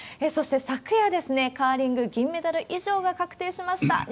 そして昨夜ですね、カーリング、銀メダル以上が確定しました。